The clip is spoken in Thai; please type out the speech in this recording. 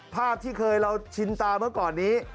ภาพที่เคยเราชินตาเมื่อก่อนนี้